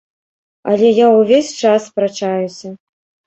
Але я ўвесь час спрачаюся.